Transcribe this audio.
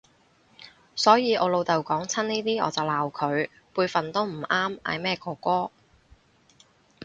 所以我老豆講親呢啲我就鬧佢，輩份都唔啱嗌咩哥哥